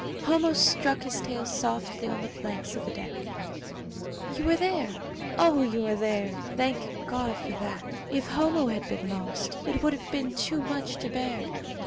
Homo struck his tail softly on the planks of the deck. "You are there. Oh! you are there! Thank God for that. If Homo had been lost, it would have been too much to bear.